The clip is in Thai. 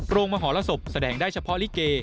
มหรสบแสดงได้เฉพาะลิเก